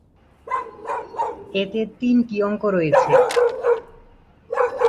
এতে তিনটি অঙ্ক রয়েছে।